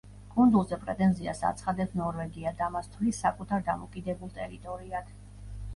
კუნძულზე პრეტენზიას აცხადებს ნორვეგია და მას თვლის საკუთარ დამოკიდებულ ტერიტორიად.